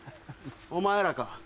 お前らか。